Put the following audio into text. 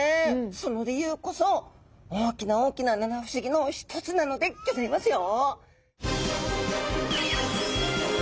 その理由こそ大きな大きな七不思議の一つなのでギョざいますよ。